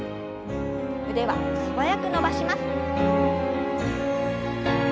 腕は素早く伸ばします。